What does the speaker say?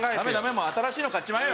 もう新しいの買っちまえよ